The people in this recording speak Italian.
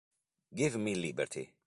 Give Me Liberty